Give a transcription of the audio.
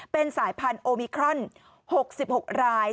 เป็นสายพันธุ์โอมิครอนหกสิบหกราย